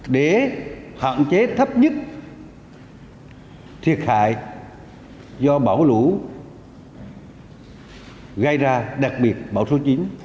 để hạn chế thấp nhất thiệt hại do bão lũ gây ra đặc biệt bão số chín